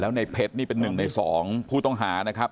แล้วในเพชรนี่เป็น๑ใน๒ผู้ต้องหานะครับ